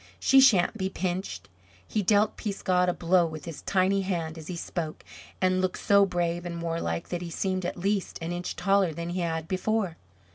She shan't be pinched!" He dealt Peascod a blow with his tiny hand as he spoke and looked so brave and warlike that he seemed at least an inch taller than he had before.